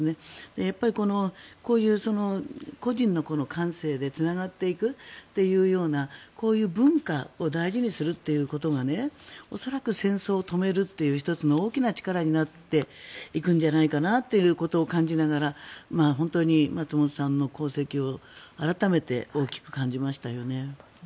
やっぱり、こういう個人の感性でつながっていくというようなこういう文化を大事にするということが恐らく戦争を止めるという１つの大きな力になっていくんじゃないかなということを感じながら本当に松本さんの功績を改めて大きく感じましたよね。